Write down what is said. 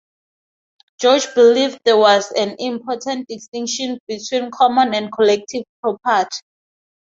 George believed there was an important distinction between common and collective property.